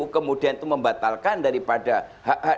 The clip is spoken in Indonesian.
kemudian itu membatalkan daripada hak hak